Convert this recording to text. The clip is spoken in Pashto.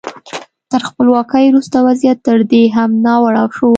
تر خپلواکۍ وروسته وضعیت تر دې هم ناوړه شو.